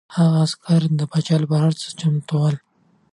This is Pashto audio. د هغه عسکر به د پاچا لپاره هر څه ته چمتو ول.